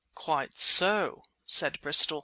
"Quite so," said Bristol.